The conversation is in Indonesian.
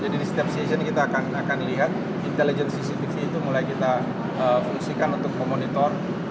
jadi di setiap sesion kita akan lihat intelligence cctv itu mulai kita fungsikan untuk pemenitor